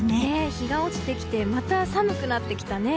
日が落ちてきてまた寒くなってきたね。